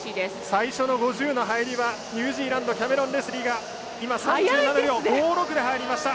最初の５０の入りはニュージーランドキャメロン・レスリーが３７秒５６で入りました。